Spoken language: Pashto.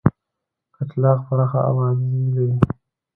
کچلاغ پراخه آبادي لري.